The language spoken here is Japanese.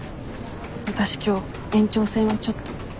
わたし今日延長戦はちょっと。